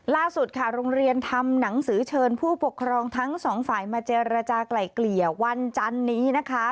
ล่าสุดค่ะโรงเรียนทำหนังสือเชิญผู้ปกครองทั้งสองฝ่ายมาเจรจากลายเกลี่ยวันจันนี้นะคะ